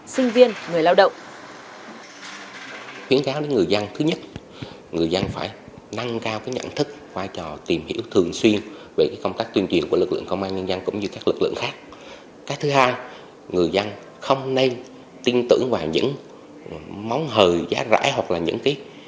sinh viên người lao động